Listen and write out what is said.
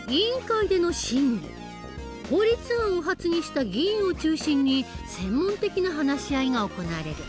法律案を発議した議員を中心に専門的な話し合いが行われる。